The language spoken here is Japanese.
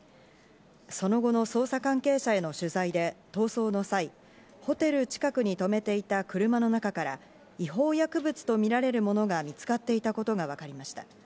その後の捜査関係者への取材で、逃走の際、ホテルの近くに止めていた車の中から違法薬物とみられるものが見つかっていたことがわかりました。